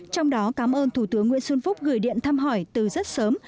trong đó cảm ơn thủ tướng nguyễn xuân phúc gửi điện thăm hỏi từ rất sớm